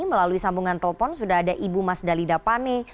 melalui sambungan telepon sudah ada ibu mas dalida pane